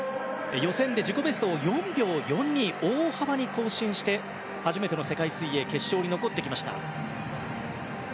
予選で自己ベストを４秒１２と大幅に更新して初めての世界水泳決勝に残ってきました。